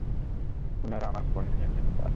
উনারা আমার ফোন নিয়ে নিয়েছে, স্যার।